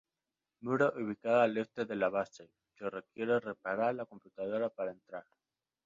Muro ubicado al Este de la base, se requiere reparar la computadora para entrar.